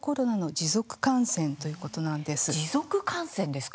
持続感染ですか。